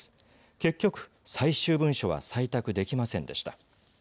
結局、最終文書は採択できませんでした。